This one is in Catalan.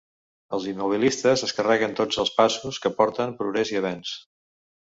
Els immobilistes es carreguen tots els passos que porten progrés i avenç.